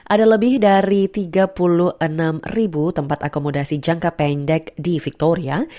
ada lebih dari tiga puluh enam ribu tempat akomodasi jangka pendek di victoria